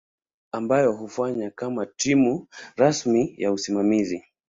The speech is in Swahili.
ambayo hufanya kama timu rasmi ya usimamizi.